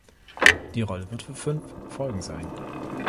Die Rolle wird für fünf Folgen sein.